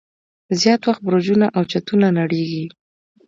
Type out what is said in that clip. زیات وخت برجونه او چتونه نړیږي.